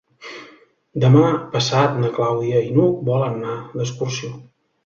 Demà passat na Clàudia i n'Hug volen anar d'excursió.